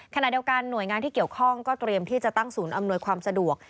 ขณะเดียวกันหน่วยงานที่เกี่ยวข้องก็เตรียมที่จะตั้งศูนย์อำนวยความสะดวก